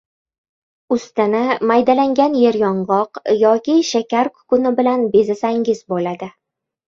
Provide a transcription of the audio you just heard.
Ustini maydalangan yeryong‘oq yoki shakar kukuni bilan bezasangiz bo‘ladi